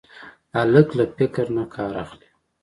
هلک له فکر نه کار اخلي.